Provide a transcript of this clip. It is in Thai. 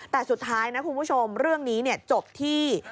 แต่สุดท้ายนะคุณผู้ชมเรื่องนี้จบที่